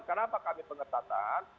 kenapa kami pengetatan